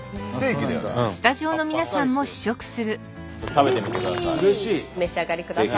食べてみてください。